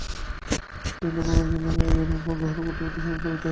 তিনি লক্ষ্য করেছিলেন, আইও-র গ্রহণের মধ্যবর্তী সময় পরিবর্তিত হচ্ছে।